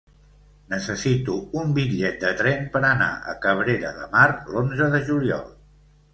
Necessito un bitllet de tren per anar a Cabrera de Mar l'onze de juliol.